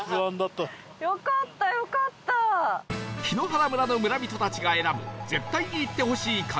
檜原村の村人たちが選ぶ絶対に行ってほしい神